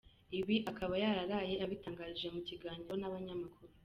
Ibi akaba yaraye abitangaje mu kiganiro nabanyamakuru.